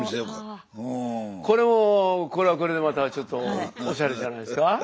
これはこれでまたちょっとおしゃれじゃないですか？